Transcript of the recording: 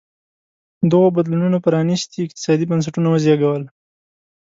دغو بدلونونو پرانېستي اقتصادي بنسټونه وزېږول.